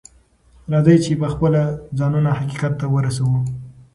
راځئ چې پخپله ځانونه حقيقت ته ورسوو.